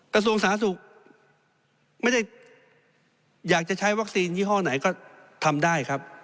กระทรวงสาธารณสุขไม่ได้อยากจะใช้วัคซีนยี่ห้อไหนก็ทำได้ครับ